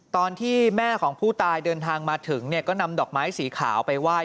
ตอนที่แม่ของผู้ตายเดินทางมาถึงเนี่ยก็นำดอกไม้สีขาวไปไหว้